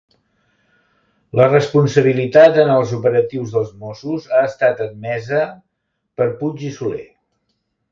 La responsabilitat en els operatius dels Mossos ha estat admesa per Puig i Soler